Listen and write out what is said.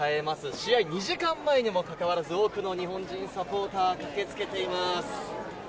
試合２時間前にも関わらず、多くの日本人サポーターが駆けつけています。